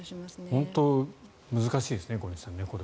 本当に難しいですね。